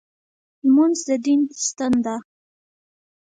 لمونځ د دین ستن ده.